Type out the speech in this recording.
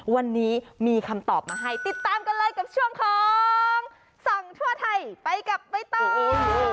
วันนี้มีคำตอบมาให้ติดตามกันเลยกับช่วงของส่องทั่วไทยไปกับใบตอง